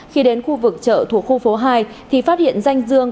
khi đến khu vực chợ thuộc khu phố hai thì phát hiện danh dương